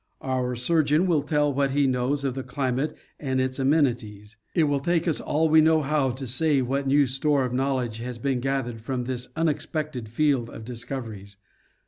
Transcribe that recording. Our surgeon will tell what he knows of the climate and its amenities. It will take us all we know how to say what new store of knowledge has been gathered from this unexpected field of discoveries.